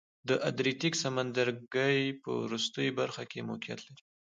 د ادریاتیک سمندرګي په وروستۍ برخه کې موقعیت لري.